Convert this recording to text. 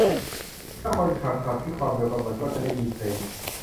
ถ้าคนขับขับที่ความเร็วที่กำหนด ก็จะได้ยินเพลง